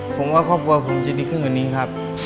ผมว่าครอบครัวผมจะดีขึ้นกว่านี้ครับ